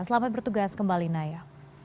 selamat bertugas kembali naya